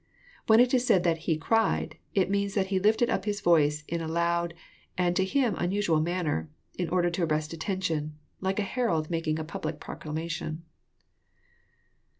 When it is said that He cried," it means^at He lifted up His voice in a loud, and to Him unusual manner, in order to arrest attention, — like a herald malung a public proclamation.